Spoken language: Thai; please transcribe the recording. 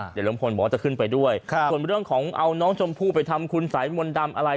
เดี๋ยวลุงพลบอกว่าจะขึ้นไปด้วยส่วนเรื่องของเอาน้องชมพู่ไปทำคุณสายมนต์ดำอะไร